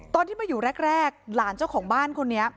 ตอนที่มาอยู่แรกหลานเจ้าของบ้านคนนี้